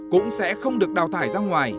cũng sẽ không được đào thải ra ngoài